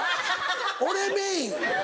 俺メイン。